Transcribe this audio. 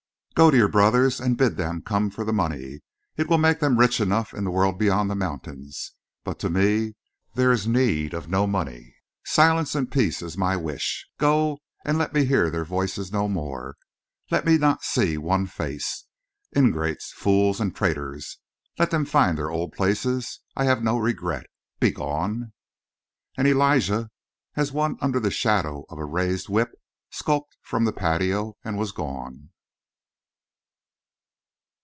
"Go to your brothers and bid them come for the money. It will make them rich enough in the world beyond the mountains, but to me there is need of no money. Silence and peace is my wish. Go, and let me hear their voices no more, let me not see one face. Ingrates, fools, and traitors! Let them find their old places; I have no regret. Begone!" And Elijah, as one under the shadow of a raised whip, skulked from the patio and was gone.